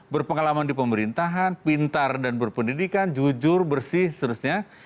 berpengalaman di pemerintahan pintar dan berpendidikan jujur bersih seterusnya